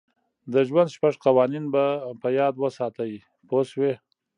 د ژوند شپږ قوانین په یاد وساتئ پوه شوې!.